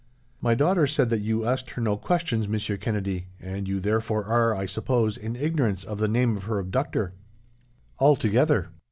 "My daughter said that you asked her no questions, Monsieur Kennedy, and you therefore are, I suppose, in ignorance of the name of her abductor?" "Altogether."